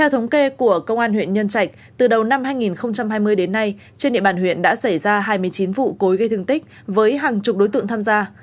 trên địa bàn huyện đã xảy ra hai mươi chín vụ cối gây thương tích với hàng chục đối tượng tham gia